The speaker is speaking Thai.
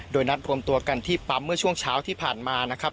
โดยนัดรวมตัวกันที่ปั๊มเมื่อช่วงเช้าที่ผ่านมานะครับ